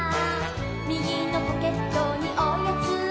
「みぎのポケットにおやつをいれて」